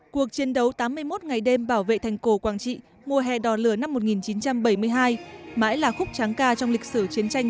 cuộc chiến đấu tám mươi một ngày đêm bảo vệ thành cổ quảng trị mùa hè đỏ lửa năm một nghìn chín trăm bảy mươi hai mãi là khúc tráng ca trong lịch sử chiến tranh